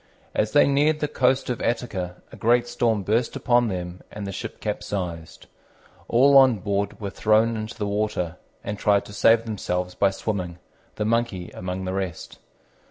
As they neared the coast of Attica a great storm burst upon them, and the ship capsized. All on board were thrown into the water, and tried to save themselves by swimming, the Monkey among the rest.